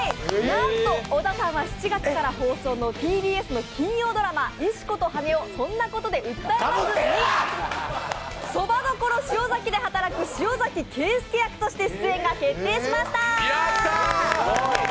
なんと小田さんは７月から放送の金曜ドラマ「石子と羽男−そんなコトで訴えます？−」にそば処塩崎で働く塩崎啓介役として出演が決定しました！